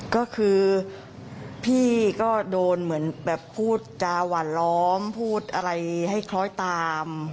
ก็คือพี่ก็โดนเหมือนแบบพูดจาหวานล้อมพูดอะไรให้คล้อยตาม